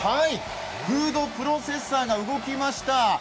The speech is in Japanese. フードプロセッサーが動きました。